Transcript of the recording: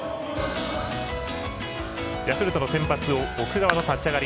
ヤクルトの先発の奥川の立ち上がり。